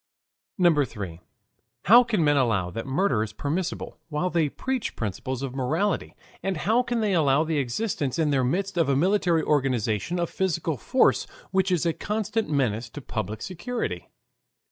3. How can Men Allow that Murder is Permissible while they Preach Principles of Morality, and How can they Allow of the Existence in their Midst of a Military Organization of Physical Force which is a Constant Menace to Public Security?